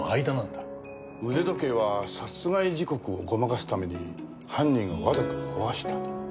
腕時計は殺害時刻をごまかすために犯人がわざと壊した。